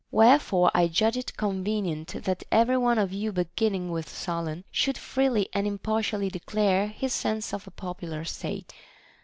Wherefore I judge it convenient that every one of you beginning with Solon, should freely and impartially declare his sense of a popular state.